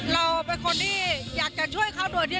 เราเป็นคนที่อยากจะช่วยเขาโดยที่